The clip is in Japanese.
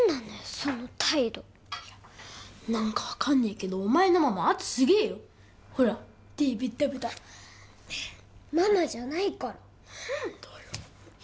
その態度何か分かんねえけどお前のママ圧すげえよほら手ベッタベタママじゃないから何だよ